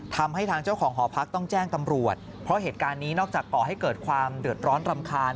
ทำให้ทางเจ้าของหอพักต้องแจ้งตำรวจเพราะเหตุการณ์นี้นอกจากก่อให้เกิดความเดือดร้อนรำคาญ